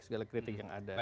segala kritik yang ada